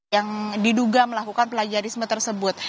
yang diduga melakukan plagiarisme tersebut